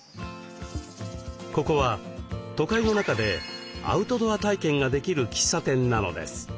ここは都会の中でアウトドア体験ができる喫茶店なのです。